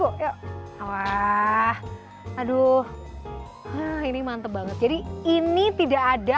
yuk ah aduh ini mantep banget jadi ini tidak ada